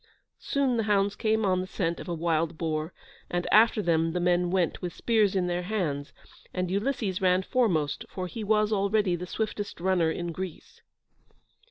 Soon the hounds came on the scent of a wild boar, and after them the men went, with spears in their hands, and Ulysses ran foremost, for he was already the swiftest runner in Greece.